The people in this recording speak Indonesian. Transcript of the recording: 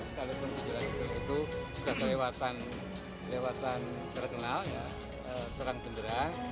sekalipun di jelajah itu sudah kelewatan serang penderang